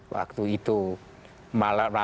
waktu itu malaysia